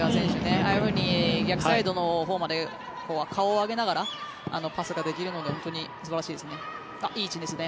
ああいうふうに逆サイドのほうまで顔を上げながらパスができるのが本当に素晴らしいですね。